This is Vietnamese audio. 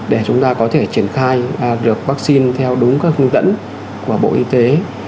để chúng ta có thể triển khai được vaccine theo đúng các hướng dẫn của bộ y tế